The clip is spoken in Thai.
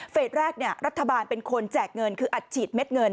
แรกรัฐบาลเป็นคนแจกเงินคืออัดฉีดเม็ดเงิน